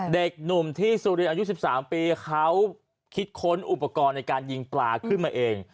เด็กหนุ่มที่สุรินอายุ๑๓ปีเขาคิดค้นอุปกรณ์ในการยิงปลาขึ้นมาเอง